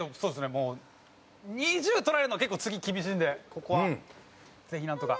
もう２０取られるのは結構次厳しいんでここはぜひなんとか。